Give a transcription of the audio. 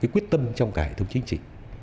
quyết tâm trong cả hệ thống chính trị